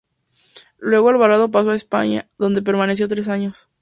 Luego Alvarado pasó a España, donde permaneció tres años.